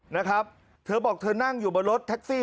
นะครับเธอบอกเธอนั่งอยู่บนรถแท็กซี่